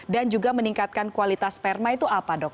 dan juga meningkatkan kualitas sperma itu apa dok